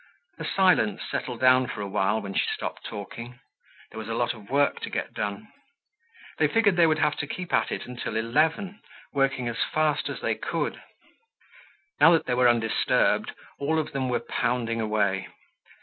A silence settled down for a while when she stopped talking. There was a lot of work to get done. They figured they would have to keep at it until eleven, working as fast as they could. Now that they were undisturbed, all of them were pounding away.